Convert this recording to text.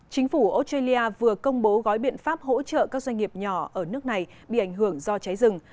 chính phủ australia vừa công bố gói biện pháp hỗ trợ các doanh nghiệp nhỏ ở nước này bị ảnh hưởng do cháy rừng